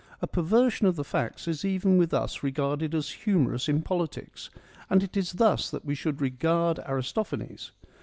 A perversion of the facts is even with us regarded as humorous in politics, and it is thus that we should regard Aristophanes.